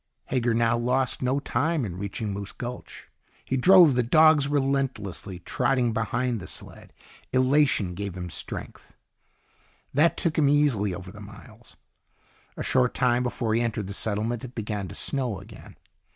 Hager now lost no time in reaching Moose Gulch. He drove the dogs relentlessly, trotting behind the sled. Elation gave him a strength that took him easily over the miles. A short time before he entered the settlement it began to snow again.